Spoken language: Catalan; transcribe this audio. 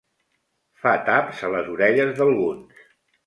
Fa taps a les orelles d'alguns.